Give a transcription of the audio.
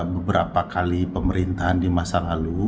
beberapa kali pemerintahan di masa lalu